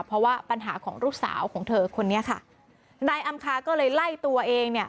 เพราะว่าปัญหาของลูกสาวของเธอคนนี้ค่ะนายอำคาก็เลยไล่ตัวเองเนี่ย